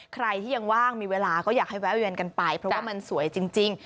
ใครที่ยังว่างมีเวลาก็อยากให้แวะเวียนกันไปเพราะว่ามันสวยจริง